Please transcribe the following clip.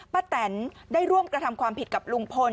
แตนได้ร่วมกระทำความผิดกับลุงพล